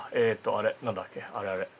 あれあれ。